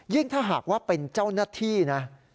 ถ้าหากว่าเป็นเจ้าหน้าที่นะ